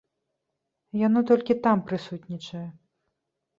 Яно толькі там прысутнічае.